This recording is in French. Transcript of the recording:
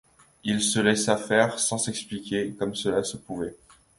Il se laissa faire, sans s’expliquer comment cela se pouvait.